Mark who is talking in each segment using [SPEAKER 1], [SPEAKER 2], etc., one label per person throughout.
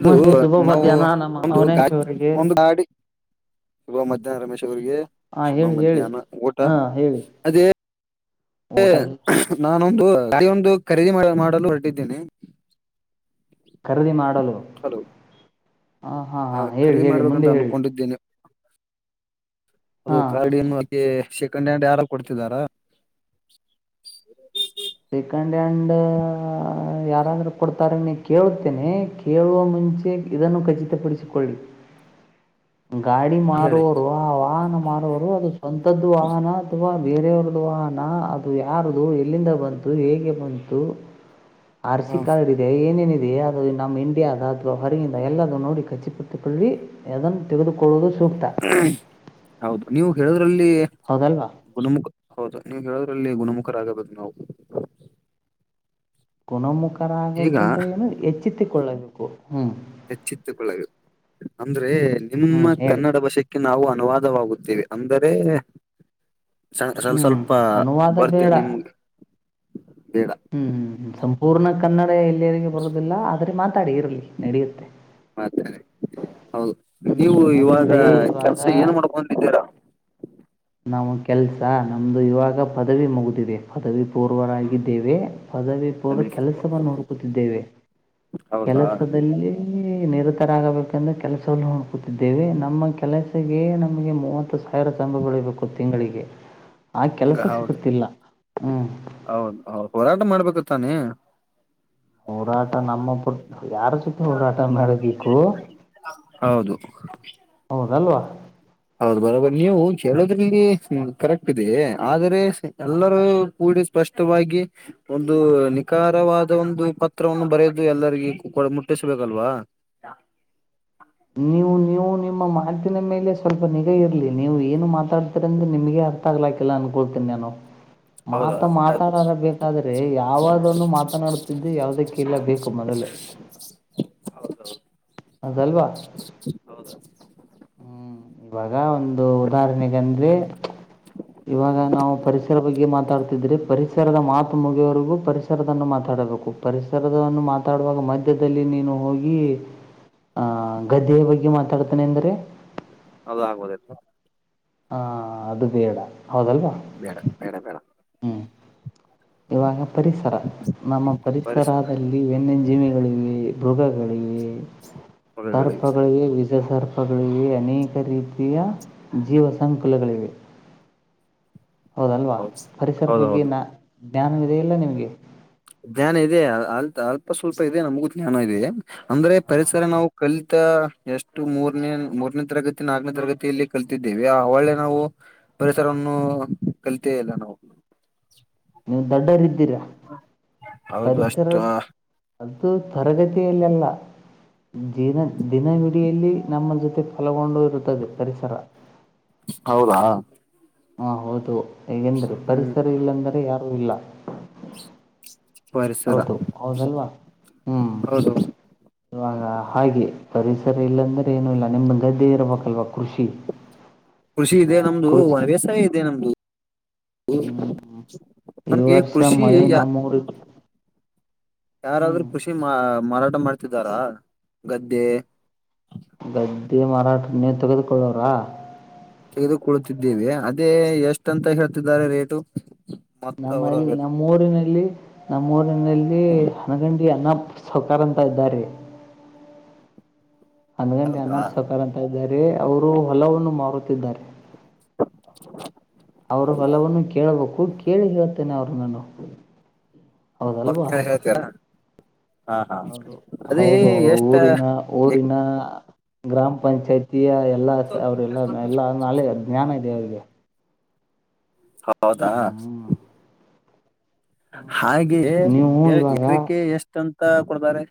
[SPEAKER 1] ಇದು
[SPEAKER 2] ನಮಸ್ತೆ ಶುಭ
[SPEAKER 1] ನಾವು
[SPEAKER 2] ಮಧ್ಯಾಹ್ನ ನಮ್ಮ
[SPEAKER 1] ಒಂದು ಗ
[SPEAKER 2] ಅವನೇಶ್ ಅವರಿಗೆ
[SPEAKER 1] ಒಂದು ಗಾಡಿ ಶುಭ ಮಧ್ಯಾಹ್ನ ರಮೇಶ್ ಅವಿಗೆ
[SPEAKER 2] ಹಾ
[SPEAKER 1] ಶುಭ
[SPEAKER 2] ಹೇಳಿ ಹೇಳಿ
[SPEAKER 1] ಮಧ್ಯಾಹ್ನ ಊಟ
[SPEAKER 2] ಹಾ ಹೇಳಿ
[SPEAKER 1] ಅದೇ
[SPEAKER 2] ಊಟ ಎಲ್ಲ
[SPEAKER 1] ನಾನೊಂದು ಗೊಂದು ಕ್ರೆ ಮಾಡ ಮಾಡಲು ಹೊರಡಿದ್ದೇನಿ
[SPEAKER 2] ಖರೀದಿ ಮಾಡಲು ಹ ಹಾ ಹಾ ಹೇಳಿ
[SPEAKER 1] ಖರೀದಿ
[SPEAKER 2] ಹೇಳಿ
[SPEAKER 1] ಮಾಡ್ಬೇಕಂತ
[SPEAKER 2] ಮುಂದೆ ಹೇಳಿ
[SPEAKER 1] ಅನ್ಕೊಂಡಿದ್ದೇನೆ ಅದು
[SPEAKER 2] ಹಾ
[SPEAKER 1] ಕಾರ್ಡನ್ನು ಕಂಡಂಡ ಯಾರ ಕೊಡ್ತಿದಾರ
[SPEAKER 2] ಸೆಕೆಂಡ್ ಹ್ಯಾಂಡ್ ಯಾರಾದ್ರೂ ಕೊಡ್ತಾರೆ ನೀ ಕೇೇಳತೇನೆಿ ಕೇಳುವ ಮುಂೆ ಮುಂಚೆ ಇದನ್ನು ಖಚಿತಪಡಿಸಿಕೊಳ್ಳಿ
[SPEAKER 1] [inaudible]
[SPEAKER 2] ಗಾಡಿ
[SPEAKER 1] ಹೇಳಿ
[SPEAKER 2] ಮಾರುವರು ಆ ವಾಹನ ಮಾರುವರು ಅದು ಸ್ವಂತದ್ದು ವಾಹನ ಅಥವಾ ಬೇರೆಯವ್ರ್ದ ವಹನ ಅದು ಯಾರದುು ಎಲ್ಲಿಂದ ಬಂತು ಹೇಗೆ ಬಂತು
[SPEAKER 1] ಹ
[SPEAKER 2] ಆರ್‌ಸಿ ಕಾರ್ಡ್ ಇದೆ ಏನೇನಿದೆ ಯ ನಮ್ಮ್ ಇಂಡಿಯಾ ಅ ಅಥವಾ ಹೊರಿಯಿಂದ ಎಲ್ಲ ನೋಡಿ ಕಚ್ಚಿಪಟ್ಟಕೊಳ್ಳಿ ಅದನ್ನು ತೆಗೆದುಕೊಳ್ಳುವುದು ಸೂಕ್ತ
[SPEAKER 1] ಹ್ಮ್ ಹೌದು ನೀವು
[SPEAKER 2] ಹೌದಲ್ವಾ
[SPEAKER 1] ಗುಣಮುಖ ಹೌದು ನೀವು ಹೇಳೋದ್ರಲ್ಲಿ ಗುಣಮುಖ ಗುಣಮುಕ್ಕ ಆಗ್ಬೇಕು ನಾವು ಈಗ
[SPEAKER 2] ಗುಣಮುಖರಾಗೋಕ್ಕಿಂತ ಏನು ಎಚ್ಚೆತ್ತಕೊಳ್ಳಬೇಕು
[SPEAKER 1] ಹೆಚ್ಚಿತ್ತುಕೊಳ್ಳಬೇಕದು ಅಂದ್ರೆ
[SPEAKER 2] ಹ್ಞೂ
[SPEAKER 1] ನಿಮ್ಮ
[SPEAKER 2] ಹೇಳಿ
[SPEAKER 1] ಕನ್ನಡ ಭಾಷಕ್ಕೆ ನಾವು ಅನುವಾದವಾಗುತ್ತೇವೆ ಅಂದರೆ ಸ್ವಲ್
[SPEAKER 2] ಹ್ಞೂ
[SPEAKER 1] ಸ್ವಲ್ಪ ಬರ್ತೆೇ ನಿಮ್ಗೆ ಬೇಡ
[SPEAKER 2] ಹ್ಮ್್ಮ ಸಂಪೂರ್ಣ ಕನ್ನಡ ಎಲ್ಲಿಯರಿಗೆ ಬರೋದಿಲ್ಲ ಆದ್ರರೆ ಮಾತಾಡಿ ಇರಲಿ ನಡೆಯುತ್ತೆ
[SPEAKER 1] ಮಾತಾರೆ ಹೌದು ನೀವು
[SPEAKER 2] ಹ್ಮ್
[SPEAKER 1] ಇವಾಗ
[SPEAKER 2] ಅಂದ್ರೆ ಇವಾಗ
[SPEAKER 1] ಕೆಲ್ಸ ಏನ್ ಮಾಡ್ಕಂದಿದ್ದೀರಾ
[SPEAKER 2] ನಾವು ಕೆಲಸ ನಮ್ಮದು ಇವಾಗ ಪದವಿ ಮುಗಿದಿವೆ ಪದವಿ ಪೂರ್ವರಾಗಿದ್ದೇವೆ ಪದವಿ ಪೂರ್ವ
[SPEAKER 1] ಸತೀಶ್
[SPEAKER 2] ಕೆಲಸವನ್ನು ನೋಡ್ಕತಿದ್ದೇವೆ
[SPEAKER 1] ಹೌದಾ
[SPEAKER 2] ಕೆಲಸದಲ್ಲಿ ನಿರ ಆಗಬೇಕೆಂದು ಕೆಲಸವನ್ನು ಹುಡುಕುತ್ತಿದ್ದೇವೆ ನಮ್ಮ ಕೆಲಸಗೆ ನಮಗೆ ಮೂವತ್ತು ಸಾವಿರ ಸಂಭಗಳು ಬೇಕು ತಿಂಗಳಿಗೆ ಆ ಕೆಲಸ ಸಿಗುತ್ತಿಲ್ಲ ಹ್ಮ್
[SPEAKER 1] ಹೌದದು ಹೋರಾಟ ಮಾಡ್ಬೇಕು ತಾನೇ
[SPEAKER 2] ಹೋರಾಟ ನಮ್ಮ ಯಾರ ಜೊತೆ ಹೋರಾಟ ಮಾಡಬೇಕು
[SPEAKER 1] ಹೌದು
[SPEAKER 2] ಹೌದಲ್ವಾ
[SPEAKER 1] ಹೌದು ಬರೋಬರಿ ನೀವು ಲ್ಲಿ ಕರೆಕ್ಟ್ ಇದೆ ಆದರೆ ಎಲ್ಲರೂ ಕೂಡಿ ಸ್ಪಷ್ಟವಾಗಿ ಒಂದು ನಿಖಾರವಾದ ಒಂದು ಪತ್ರವನ್ನು ಬರೆಯೋದು ಹೆಲ್ರಿಜ್ ಕಡ ಮುಟ್ಟಿಸಬೇಕಲ್ವಾ
[SPEAKER 2] ನೀವು ನೀವು ನಿಮ್ಮ ಮಾತಿನ ಮೇಲೆ ಸ್ವಲ್ಪ ನಿಗಾ ಇರ್ಲಿ ನೀವು ಏನು ಮಾತಾಡ್ತ್ರ್ರ ನಿಮಗೆ ಅರ್ಥ ಆಗ್ಲಾಕಿಲ್ಲ ಅನ್ಕೊಳ್ತೀನಿ ನಾನು
[SPEAKER 1] ಹೌದಾ
[SPEAKER 2] ಮಾತ
[SPEAKER 1] ಆಯ್ತು
[SPEAKER 2] ಮಾತಾಡಾರ ಬೆಕಿದ್ರೆ ಯಾವದನ್ನು ಮಾತನಾಡುತ್ತಿದ್ದೆ ಯಾವದಕ್ಕ ಇಲ್ಲ ಬೇಕು ಮೊದಲು
[SPEAKER 1] ಹೌದುೌದು
[SPEAKER 2] ಹ ಅಲ್ವಾ
[SPEAKER 1] ಹೌದು
[SPEAKER 2] ಹ್ಮ್ ಇವಾಗ ಒಂದು ಉದಾಹರಣೆೆಗೆಂದ್ರೆ ಇವಾಗ ನಾವು ಪರಿಸರ ಬಗ್ಗೆ ಮಾತಾಡ್ತಿದ್ರೆ ಪರಿಸರದ ಮಾತು ಮುಗಿಯವರೆಗೂ ಪರಿಸರ ಪರಿಸರನ್ನು ಮಾತಾಡಬೇಕು ಪರಿಸರವನ್ನು ಮಾತಾಡುವಾಗ ಮಧ್ಯದಲ್ಲಿ ನೀನು ಹೋಗಿ ಆ ಗದ್ದೆಯ ಬಗ್ಗೆ ಮಾತಾಡ್ತಾನೆ ಎಂದ್ರೆ
[SPEAKER 1] ಅದು ಆಗ್ಬದಲ್
[SPEAKER 2] ಹಾ ಅದು ಬೇಡ ಹೌದಲ್ವಾ
[SPEAKER 1] ಬೇಡ ಬೇಡ ಬೇಡ
[SPEAKER 2] ಹ್ಮ್ ಇವಾಗ ಪರಿಸರ ನಮ್ಮ ಪರಿಸರದಲ್ಲಿ ವ್ಯನ್ಯಜೀವಿಿಗಳಿವೆ ಮೃಗಗಳಿವ
[SPEAKER 1] [inaudible]
[SPEAKER 2] ಸರ್ಪಗಳಿವೆ ವಿಜ ಸರ್ಪಗಳಿವೆ ಅನೇಕ ರೀತಿಯ ಜೀವ ಸಂಕುಲಗಳಿವೆ ಹೌದಲ್ವಾ
[SPEAKER 1] ಹೌದು
[SPEAKER 2] ಪರಿಸರ
[SPEAKER 1] ಹೌದೌದು
[SPEAKER 2] ಬಗ್ಗೆ ನ ಜ್ಞಾನವಿದೆ ಇಲ್ಲ ನಿಮ್ಗೆ
[SPEAKER 1] ಜ್ಞಾನ ಇದೆ ಅ ಅಲ್ಪ ಸ್ವಲ್ಪ ಇದೆ ನಮಗೂ ಜ್ಞಾನ ಇದೆ ಅಂದ್ರೆ ಪರಿಸರ ನಾವು ಕಲ್ ಎಷ್ಟು ಮೂರನೇ ಮೂರನೇ ತರಗತಿ ನಾಲ್ನೇ ತರಗತಿಯಲ್ಲಿ ಕಲ್ತಿದ್ದೇವಿ ಆ ಒಳ್ಳೆ ನಾವು ಪರಿಸರವನ್ನು ಕಲ್ಲಿತೆ ಇಲ್ಲ ನಾವು
[SPEAKER 2] ನೀವು ದೊಡ್ಡರ ಇದಿದ್ದೀರಿ
[SPEAKER 1] [inaudible] ಹೌದು
[SPEAKER 2] ಪರಿಸರ
[SPEAKER 1] ಅಷ್ಟು
[SPEAKER 2] ಅು ತರಗತಿಯಲ್ಲೆಲ್ಲ
[SPEAKER 1] [inaudible]
[SPEAKER 2] ದಿನ ದಿನವಿಡಿಯಲ್ಲಿ ನಮ್ಮ ಜೊತೆ ಫಲಗೊಂಡು ಇರುತ್ತದೆ ಪರಿಸರ
[SPEAKER 1] ಹೌದಾ
[SPEAKER 2] ಹಾ ಹೌದು ಹೇಗೆಂದ್ರೆ
[SPEAKER 1] ಹ್ಮ್
[SPEAKER 2] ಪರಿಸರ ಇಲ್ಲಂದರೆ ಯಾರು ಇಲ್ಲ
[SPEAKER 1] ಪರಿಸರ
[SPEAKER 2] ಹೌದು ಹೌದಲ್ವಾ ಹ್ಮ್
[SPEAKER 1] ಹೌದು
[SPEAKER 2] ಇವಾಗ ಹಾಗೆ ಪರಿಸರ ಇಲ್ಲಾಂದ್ರೆ ಏನು ಇಲ್ಲ ನಿಮ್ದ ಗದ್ದೆ ಇರ್ಬೇಕಲ್ವಾ ಕೃಷಿ
[SPEAKER 1] ಕೃಷಿ ಇದೆ ನಮ್ದು
[SPEAKER 2] ಕೃಷಿ
[SPEAKER 1] ವ್ಯವಸಾಯ ಇದೆ ನಮ್ದು
[SPEAKER 2] ಹ್ಮ್ ಈ
[SPEAKER 1] ನಮ್ಗೆ
[SPEAKER 2] ವರ್ಷ
[SPEAKER 1] ಕೃಷಿ
[SPEAKER 2] ಮಳೆ
[SPEAKER 1] ಇಯಾ
[SPEAKER 2] ನಮ್ಮೂರು ಹ್ಮ್
[SPEAKER 1] ಯಾರಾದ್ರೂ ಖುಷಿ ಮಾಮಾರಾ ಟ ಮಾಡ್ತಿದ್ದಾರಾ ಗದ್ದೆ
[SPEAKER 2] ಗದ್ದೆ ಮಾರಾಟನೇ ತೆಗೆದುಕೊಳ್ಳೋ್ರ
[SPEAKER 1] ತೆಗೆದುಕೊಳ್ಳತಿದ್ದೇವಿ ಅದೇ ಎಷ್ಟ ಅಂತ ಹೇಳ್ತಿದ್ದಾರೆ ರೇಟು ಮತ್ತ ಅವರ
[SPEAKER 2] ನಮ್ಮಲ್ಲಿ ನಮ್ಮ ೂರಿನಲ್ಲಿ ನಮ್ಮೂಊರಿನಲ್ಲಿ ಅನಗಂಡಿ ಅನ್ನ ಸವ್ಕಾರ ಅಂತ ಇದ್ದಾರೆ
[SPEAKER 1] ಹೌದಾ
[SPEAKER 2] [unintelligible] ಸಕಾರ ಅಂತ ಇದ್ದಾರೆ ಅವರು ಹೊಲವನ್ನು ಮಾರುತ್ತಿದ್ದಾರೆ
[SPEAKER 1] [inaudible]
[SPEAKER 2] ಅವ್ರ ಹೊಲವವನ್ನು ಕೇಳಬೇಕು ಕೇಳಿ ಹೇಳ್ತೇನೆ ಅವರು ನಾನು ಹೌದಲ್ವಾ
[SPEAKER 1] ಪಕ್ಕಾ ಹೇಳ್ತೀರಾ ಹಾ ಹಾ
[SPEAKER 2] ಅವರು
[SPEAKER 1] ಅದೇ
[SPEAKER 2] ಹೌದು ಅವರು
[SPEAKER 1] ಎಷ್ಟ
[SPEAKER 2] ಊರಿನ ಊರಿನ ಗ್ರಾಮ ಪಂಚಾಯತಿಯ ಎಲ್ಲಾ ಅವ್ರಲ್ಲ ಎಲ್ಲ ನಳೆ ಜ್ಞಾನ ಇದೆ ಅವ್ರರಿಗೆ
[SPEAKER 1] ಹೌದಾ
[SPEAKER 2] ಹ್ಮ್
[SPEAKER 1] ಹಾಗೆಯ
[SPEAKER 2] ನೀವು ಇವಾಗ
[SPEAKER 1] ಎಕ್ರಿಕೆ ಎಷ್ಟ ಅಂತ ಕೊಡ್ತಾರೆ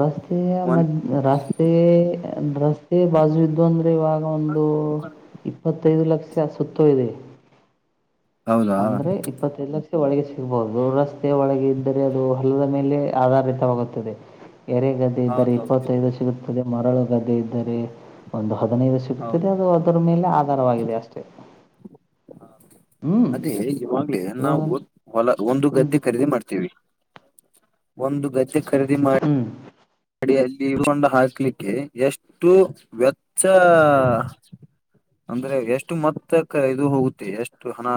[SPEAKER 2] ರಸ್ತೆ ಮ
[SPEAKER 1] ಒಂದ
[SPEAKER 2] ರಸ್ತೆ ರಸ್ತೆ ಬಾಜು ದೊನ್ ಇವಾಗ ಒಂದು ಇಪ್ಪತ್ತೈದು ಲಕ್ಷ ಸುತ್ತ ಇದೆ
[SPEAKER 1] ಹೌದಾ
[SPEAKER 2] ಅಂದ್ರೆ ಇಪ್ಪತ್ತೈದು ಲಕ್ಷ ಒಳಗೆ ಸಿಗಬಹುದು ರಸ್ತತೆ ಒಳಗೆ ಇದ್ದರೆ ಅದು ಹಲದ ಮೇಲೆ ಆಧಾರಿತವಾಗುತ್ತದೆ ಎರೆ ಗದ್ದೆ ಇದ್ದರೆ
[SPEAKER 1] ಹೌದೌದು
[SPEAKER 2] ಇಪ್ಪತ್ತೈದು ಸಿಗುತ್ತದೆ ಮರಳು ಗದ್ದೆ ಇದ್ದರೆ ಒಂದು ಹದಿನೈದು ಸಿಗ್ತೀರಿ
[SPEAKER 1] ಹೌದು
[SPEAKER 2] ಅದು ಅದರ ಮೇಲೆ ಆಧಾರವಾಗಿದೆ ಅಷ್ಟೇ ಹ್ಮ್
[SPEAKER 1] ಅದೇ ಇವಾಗ್ಲೇ
[SPEAKER 2] ಇವಾಗ
[SPEAKER 1] ನಾವು ಹೊಲ ಒಂದು
[SPEAKER 2] ಹ್ಮ್
[SPEAKER 1] ಗದ್ದೆ ಖರೀದಿ ಮಾಡ್ತೇವಿ ಒಂದು ಗದ್ದೆ ಖರೀದಿ ಮಾಡಿ
[SPEAKER 2] ಹ್ಮ್
[SPEAKER 1] ಅಡಿಯಲ್ಲಿ ಇಕೊಂಡು ಹಾಕ್ಲಿಕ್ಕೆ ಎಷ್ಟು ವೆಚ್ಚ ಅಂದ್ರೆ ಎಷ್ಟು ಮತ್ತಕ್ಕ ಇದು ಹೋಗುತ್ತೆ ಎಷ್ಟು ಹಣ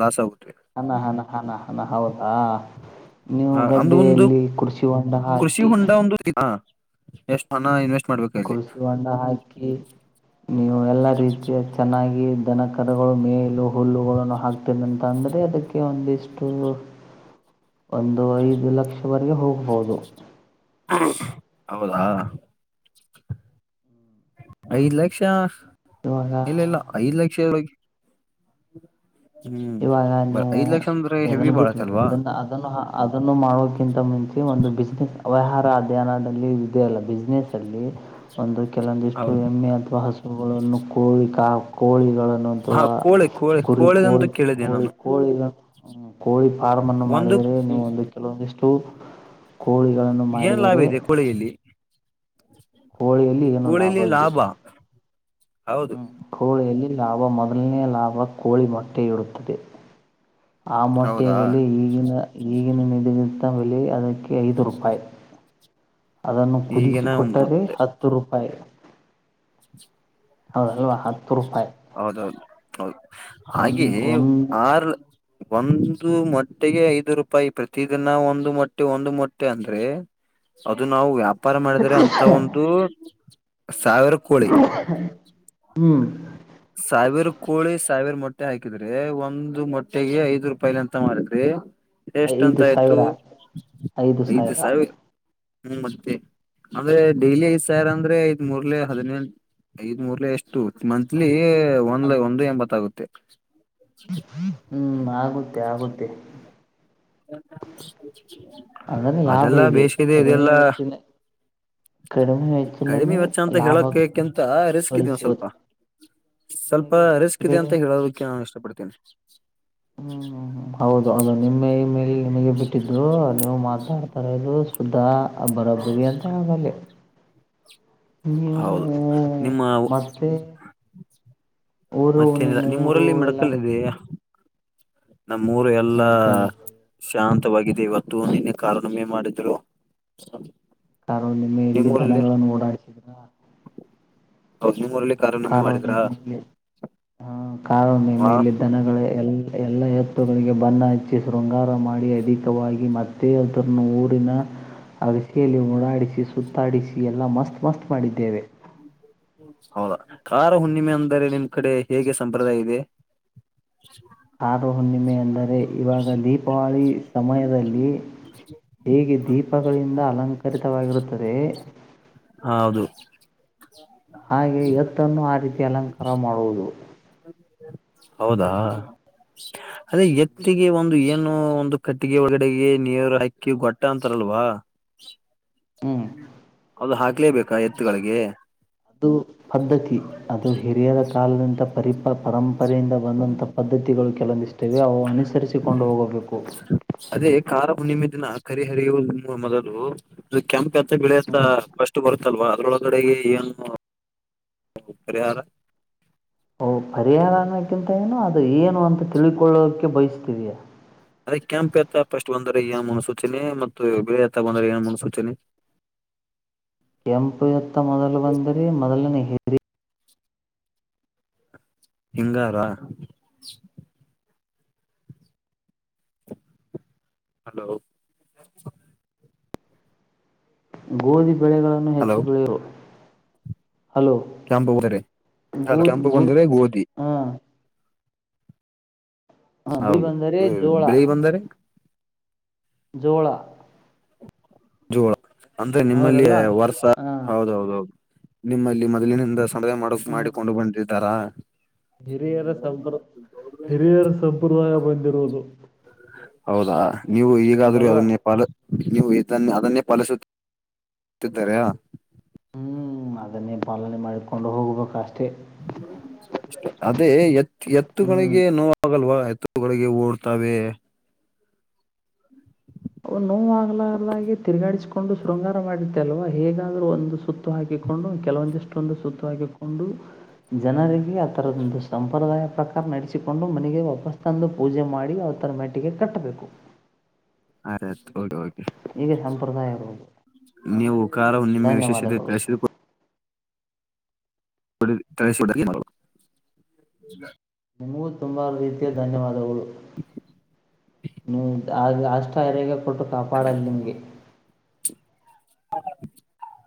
[SPEAKER 1] ಲಾಸ್ ಆಗುತ್ತೆ
[SPEAKER 2] ಹಣ ಹಣ ಹಣ ಹಣ ಹೌದಾ ನೀವು
[SPEAKER 1] ಅಂದ ಒಂದು
[SPEAKER 2] ಗದ್ದೆಯಲ್ಲಿ ಕುಡ್ಸಿ
[SPEAKER 1] ಕೃಷಿ ಹೂಂಡ ಒಂದು ಎಷ್ಟು ಹ ಇನ್ವೆ
[SPEAKER 2] ಕೃಷಿ ಹಣ್ಣ ಹಾಕಿ ನೀವು ಎಲ್ಲಾ ರೀತಿಯ ಚೆನ್ನಾಗಿ ದನಕರಗಳು ಮೇಲು ಹುಲ್ಲುಗಳನ್ನು ಹಾಕ್ತನ ಅಂತಂದರೆ ಅದಕ್ಕೆ ಒಂದಿಷ್ಟು
[SPEAKER 1] ಸೌಂಡ್ ಇಲ್ಲ
[SPEAKER 2] ಒಂದು ಐದು ಲಕ್ಷವರೆಗೆ ಹೋಗ್ಬಹುದು
[SPEAKER 1] ಹೌದಾ ಐದ್ ಲಕ್ಷ
[SPEAKER 2] ಇವಾಗ
[SPEAKER 1] ಇಲ್ಲ ಇಲ್ಲ ಐದ್ ಲಕ್ಷ ಹ್ಮ್
[SPEAKER 2] ಇವಾಗ
[SPEAKER 1] ಬ
[SPEAKER 2] ನೀವು
[SPEAKER 1] ಐದ್ ಲಕ್ಷ ಅಂದ್ರೆ ಹೆವಿ
[SPEAKER 2] ಎನ್ನು ಬಿಟ್ಬಡ್ರಿ
[SPEAKER 1] ಬಾಳತ್ತಲ್ವಾ
[SPEAKER 2] ಅದನ್ನ ಅದನ್ನು ಅದನ್ನು ಮಾಡೋಕಿಂತ ಮುಂಚೆ ಒಂದು ಬಿಸ್ಿನೆಸ್ ಅವ್ಯಹಾರ ಅಧ್ಯಯನದಲ್ಲಿ ಇದೆಯ ಅಲ್ಲ ಬಿಸ್ನೆೆಸ್ಸಲ್ಲಿ ಒಂದು ಕೆಲವೊಂದಿಷ್ಟು ಹೆಮ್ಮೆ ಅಥವಾ ಹಸುಗಳನ್ನು ಕೋಳಿ ಕಾ ಕೋಳಿ ಗಳನ್ನುುವ
[SPEAKER 1] ಹಾ ಕೋಳಿ ಕೋಳಿ
[SPEAKER 2] ಕುರಿ
[SPEAKER 1] ಕೋಳಿದಂತೂ
[SPEAKER 2] ಕೋಳಿ
[SPEAKER 1] ಕೇಳಿದ್ದೆ
[SPEAKER 2] ಕೋಳಿ
[SPEAKER 1] ನಾನು
[SPEAKER 2] ಕೋಳಿ ಕೋಳಿ ಫಾರ್ಮ್ ಅನ್ನು
[SPEAKER 1] ಒಂದು
[SPEAKER 2] ಮಾಡಿದರೆ ನೀವುೊಂದು ಕೆಲವೊಂದಿಷ್ಟು ಕೋಳಿಗಳನ್ನು
[SPEAKER 1] ಏನ್
[SPEAKER 2] ಮಾಡಿದರೆ
[SPEAKER 1] ಲಾಭ ಇದೆ ಕೋಳಿಯಲ್ಲಿ
[SPEAKER 2] ಕೋಳಿಯಲ್ಲಿ ಏನು
[SPEAKER 1] ಕೋಳಿಲಿ
[SPEAKER 2] ಲಾಭವಿದೆ
[SPEAKER 1] ಲಾಭ ಹೌದು
[SPEAKER 2] ಈ ಲಾಭ ಮೊದಲನೆಯ ಲಾಭ ಕೋಳಿ ಮೊಟ್ಟೆಯಿಡುತ್ತದೆ ಆ ಮೊಟ್ಟೆಯ
[SPEAKER 1] ಹೌದಾ
[SPEAKER 2] ಬೆಲೆ ಈಗಿನ ಈಗಿನ ನಿಗಂತ ಬೆಲೆ ಅದಕ್ಕೆ ಐದು ರೂಪಾಯಿ ಅದನ್ನು
[SPEAKER 1] ಈಗಿನ
[SPEAKER 2] ಕುದಿಸಿಕೊಟ್ಟರೆ
[SPEAKER 1] ಮತ್ತೆ
[SPEAKER 2] ಹತ್ತು ರೂಪಾಯಿ ಹೌದ ಇವ ಹತ್ತು ರೂಪಾಯಿ
[SPEAKER 1] ಹಾಗೆ
[SPEAKER 2] ಒಂದ್ ಒಂದ್
[SPEAKER 1] ಆರ್ ಒಂದು ಮ ಮೊಟ್ಟೆಗೆ ಐದು ರೂಪಾಯಿ ಪ್ರತಿದಿನ ಒಂದು ಮೊಟ್ಟೆ ಒಂದು ಮೊಟ್ಟೆ ಅಂದ್ರೆ ಅದು ನಾವು ವ್ಯಾ ವ್ಯಾಪಾರ ಮಾಡಿದ್ರೆ ಅಂತ ಒಂದು ಸಾವಿರ ಕೋಳಿ
[SPEAKER 2] ಹ್ಮ್
[SPEAKER 1] ಸಾಹೇಬ್ರು ಕೋಳಿ ಸಾವಿರ ಮೊಟ್ಟೆ ಹಾಕಿದ್ರಿ ಒಂದ್ ಮೊಟ್ಟೆಗೆ ಐದ್ ರೂಪಾಯಿಲಿ ಅಂತ ಮಾಡಿದ್ರಿ ಎಷ್ಟಂತ
[SPEAKER 2] ಐದು
[SPEAKER 1] ಆಯ್ತು
[SPEAKER 2] ಸಾವಿರ
[SPEAKER 1] ಐದ್ ಸಾವಿರ ಹ್ಮ್ ಮತ್ತೆ ಅಂದ್ರೆ ಡೈಲಿ ಐದ್ ಸಾವಿರ ಅಂದ್ರೆ ಐದ್ ಮೂರ್ಲೆ ಹದಿನೆೇಳು ಐದ್ ಮೂರ್ ಲ ಎಷ್ಟು ಮಂತ್ಲಿ ಒಂದ್
[SPEAKER 2] ಅನ್
[SPEAKER 1] ಒಂದು ಎಂಬತ್ ಆಾಗುತ್ತೆ
[SPEAKER 2] ಹ್ಮ್ ಆಗುತ್ತೆ ಆಗುತ್ತೆ ಹಂಗಂದ್ರೆ ಲಾಭ
[SPEAKER 1] ಅದೆಲ್ಲಾ
[SPEAKER 2] ಇದೆ
[SPEAKER 1] ಬೇಸಿಗೆದೆ
[SPEAKER 2] ಕಡಿಮೆ
[SPEAKER 1] ಇದೆಲ್ಲಾ
[SPEAKER 2] ವೆಚ್ಚಿನ ಕಡಿಮೆ
[SPEAKER 1] ಕಡಿಮೆ
[SPEAKER 2] ವೆಚ್ಚಲನೇ
[SPEAKER 1] ವೆಚ್ಚ ಅಂತ
[SPEAKER 2] ಲಾಭ
[SPEAKER 1] ಹೇಳಕಕಿಂತ ರಿಸ್ಕ್ ಇದೀವ ಸ್ವಲ್ಪ
[SPEAKER 2] ಗಳಿಸುವುದು
[SPEAKER 1] ಸ್ವಲ್ಪ ರಿಸ್ಕ್ ಇದೆ ಅಂತ ಹೇಳೋದಕ್ಕೆ ನಾನು ಇಷ್ಟಪಡ್ತೇನೆ
[SPEAKER 2] ಹ್ಮ್ ಹೌದು ಅದು ನಿಮ್ಮೆ ಮೇಲೆ ನಿನಗೆ ಬಿಟ್ಟಿದರು ನೀವು ಮಾತಾಡ್ತಾರ ಇದು ಸ್ದಾ ಬರಬ್ಬರಿ ಅಂತ ಆಲ್ಲಿ ನೀವು
[SPEAKER 1] ಹೌದು ನಿಮ್ಮ
[SPEAKER 2] ಮಾಡತೆ
[SPEAKER 1] ಮತ್ತೇನಿಲ್ಲ ನಿಮ್ಮ್ ಊರಲ್ಲಿ
[SPEAKER 2] ಎಲ್ಲ
[SPEAKER 1] ಮಡಕಲ್ ಇದಯಾ ನಮ್ಮೂರು ಎಲ್ಲಾ
[SPEAKER 2] ಮೆಡಿಕಲ್
[SPEAKER 1] ಶಾಂತ ವಾಗಿದೆ ಇವತ್ತು ನಿನ್ನ ಕಾರಣವೇ ಮಾಡಿದ್ರು
[SPEAKER 2] ಕಾರು ನಿಮೆ ಎಲ್ಲಿ ದನಗಳನ್ನು ಓಡಾಡ್ಸಿದ್ರ
[SPEAKER 1] ಹೌಸ ಮಮರಲಿ ಕಾರ ನಿಮ್ಮೆ
[SPEAKER 2] ಕಾರು
[SPEAKER 1] ಮಾಡಿದ್ರಾ
[SPEAKER 2] ಕಾರುಣ
[SPEAKER 1] ಹಾ
[SPEAKER 2] ಮೇಲೆ ದನಗಳ ಎಲ್ಲ ಎಲ್ಲ ಎತ್ತುಗಳಿಗೆ ಬಣ್ಣ ಹಚ್ಚಿ ಶೃಂಗಾರ ಮಾಡಿ ಅಧಿಕವಾಗಿ ಮತ್ತೆ ಎಥರನ ಊರಿನ ಆ ರ ಸಿಯಲ್ಲಿ ಉಓಡಾಡಿಸಿ ಸುತ್ತಾಡಿಸಿ ಎಲ್ಲ ಮಸ್ತ್ ಮಸ್ತ್ ಮಾಡಿದ್ದೇವೆ
[SPEAKER 1] ಹೌದಾ ಖಾರ ಹುಣ್ಣಿಮೆ ಅಂದರೆ ನಿಮ್ ಕಡೆ ಹೇಗೆ ಸಂಪ್ರದಾಯ ಇದೆ ಹ
[SPEAKER 2] ಆರು ಹುಣ್ಣಿಮೆ ಅಂದರೆ ಇವಾಗ ದೀಪಾವಳಿ ಸಮಯದಲ್ಲಿ ಹೇಗೆ ದೀಪಗಳಿಂದ ಅಲಂಕರಿತವಾಗಿರುತ್ತದೆ
[SPEAKER 1] ಹೌದು
[SPEAKER 2] ಹಾಗೆ ಎತ್ತನ್ನು ಆ ರೀತಿ ಅಲಂಕಾರ ಮಾಡುವುದು
[SPEAKER 1] ಹೌದಾ ಅದೇ ಎತ್ತಿಗೆ ಒಂದು ಏನು ಒಂದು ಕಟ್ಟಿಗೆ ಒಳಗಡೆಗೆ ನೀರು ಹಕ್ಕಿ ಗೊಟ್ಟ ಅಂತಾರ ಅಲ್ವಾ
[SPEAKER 2] ಹ್ಞೂ
[SPEAKER 1] ಅದು ಹಾಕ್ಲೇಬೇಕಾ ಎತ್ತುಗಳಿಗೆ
[SPEAKER 2] ಅದು ಪದ್ಧತಿ ಅದು ಹಿರಿಯರ ಕಾಲದಂತ ಪರಿಪ ಪರಂಪರೆಯಿಂದ ಬಂದಂತ ಪದ್ಧತಿಗಳು ಕೆಲಂದಿಷ್ಟೇವೆ ಅವು ಅನುಸರಿಸಿಕೊಂಡು ಹೋಗಬೇಕು
[SPEAKER 1] ಕರಿಹರಿಯು ನಿ ಮೊದಲು ಅದು ಕೆಂಪ ಅಂತ ಬೆಳೆತ್ತ ಕಷ್ಟು ಬರುತ್ತಲ್ವಾ ಅದ್ರೊಳ ಡೆಗೆ ಏನು ಪರಿಹಾರ
[SPEAKER 2] ಓ ಪರಿಹಾರಕ್ಕಿಂತ ಏನು ಅದು ಏನು ಅಂತ ತಿಳ್ಕೊಳ್ಳೋಕೆ ಬಯಸ್ತೀವಿಯಾ
[SPEAKER 1] ಅದೇ ಕೆಂಪ್ ಎತ್ತಫಸ್ಟ್ ಬಂದರೆ ಏನ್ ಮುನ್ಸೂಚನೆ ಮತ್ತು ಬೆಳ ತ್ತ ಬಂದರೆ ಏನ್ ಮುನ್ಸೂಚನೆ [unintelligible]
[SPEAKER 2] ಕೆಂಪು ಎತ್ತ ಮೊದಲು ಬಂದರೆ ಮೊದಲನಹಿ
[SPEAKER 1] ಹಂಗಾರ ಹಲೋ
[SPEAKER 2] ಗೋಧಿ ಬೆಳೆಗಳನ್ನು
[SPEAKER 1] ಹಲೋ
[SPEAKER 2] ಹೆಚ್ಚು ಬೆಳೆಯು
[SPEAKER 1] ಕೆಂಪು ಬಂದೆ
[SPEAKER 2] ಗೋ
[SPEAKER 1] ಕೆಂಪು
[SPEAKER 2] ಗೋ
[SPEAKER 1] ಬಂದರೆೆ ಗೋಧಿ
[SPEAKER 2] ಹ ಹ ಬಿಳಿ
[SPEAKER 1] ಹೌದು
[SPEAKER 2] ಬಂದರೆ ಜೋಳ
[SPEAKER 1] ಬೆಳಿಗ್ ಬಂದರೆ
[SPEAKER 2] ಜೋಳ
[SPEAKER 1] ಜೋಳ ಅಂದ್ರೆ ನಿಮ್ಮಲ್ಲಿ
[SPEAKER 2] ಹೌದಲ್ಲ
[SPEAKER 1] ವರ್ಷ
[SPEAKER 2] ಹ
[SPEAKER 1] ಹೌದೌದ ಹೌದು ನಿಮ್ಮಲ್ಲಿ ಮೊದ್ಲಿನಿಂದ ಸಡವೆ ಮಾಡ
[SPEAKER 2] ಹ್ಮ್
[SPEAKER 1] ಮಾಡಿಕೊಂಡು ಬಂದಿದ್ದಾರಾ
[SPEAKER 2] ಹಿರಿಯರ ಸಂಪ್ರ ಹಿರಿಯರ ಸಂಪ್ರದಾಯ ಬಂದಿರುವುದು
[SPEAKER 1] ಹೌದಾ ನೀವು ಈಗಾದ್ರೂ
[SPEAKER 2] ಅದಲ್ವಾ
[SPEAKER 1] ಅದನ್ನೇ ಪ ನೀವು ಅನ್ನ ಅದನ್ನೇ ಫಲಿಸುತ್ತುತ್ತಿದ್ದಾರಾ
[SPEAKER 2] ಹ್ಮ್ ಅದನ್ನೇ ಪಾಲನೆ ಮಾಡ್ಕೊಂಡು ಹೋಗ್ಬೇಕ ಅಷ್ಟ
[SPEAKER 1] ಅದೇ ಎತ್
[SPEAKER 2] ಹ್ಮ್
[SPEAKER 1] ಎತ್ತುಗಳಗಳಿಗೆ ನೋವಾಗಲ್ವ ಗಳಿಗೆ ಓಡ್ತವೆೆ
[SPEAKER 2] ಅವ ನೋವುವಾಗಲಾರದಾಗಿೆ ತಿರುಗಾಡಿಸಿಕೊಂಡು ಶೃಂಗಾರ ಮಾಡತ್ತೆ ಅಲ್ವ ಹೇಗಾದ್ರೂ ಒಂದು ಸುತ್ತು ಹಾಕಿ ಕೊಂಡು ಕೆಲವೊಂದಿಷ್ಟೊಂದು ಸೂುತ್ತ ಹಿಕೊಂಡು ಜನರಿಗೆ ಆತರದ ಒಂದು ಸಂಪ್ರದಾಯ ಪ್ರಕಾರ ನಡೆಸ ಿಕೊಂಡು ಮನೆಗೆ ವಾಪಸ್ ತಂದು ಪೂಜೆ ಮಾಡಿ ಅವ ತರ ಮೆಟ್ಟಿಗೆ ಕಟ್ಟಬೇಕು
[SPEAKER 1] ಅದ
[SPEAKER 2] ಹೀಗೆ ಸಂಪ್ರದಾಯ ಇರುವುದು
[SPEAKER 1] ನೀವು ಕಾರ ನಿಮ್ಮೆ
[SPEAKER 2] ಧನ್ಯವಾದಗಳು
[SPEAKER 1] ವಿಶೇಷತೆಳಸಿದ ತಡಿ
[SPEAKER 2] ನಿಮಗೂ ತುಂಬಾ ರೀತಿಯ ಧನ್ಯವಾದಗಳು ನೀ ಆಗ ಅಷ್ಟ ಹರೇಗೆ ಕೊಟ್ಟು ಕಾಪಾಡಲ್ಲ ನಿಮಗೆ
[SPEAKER 1] ಹ